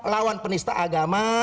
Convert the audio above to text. lawan penista agama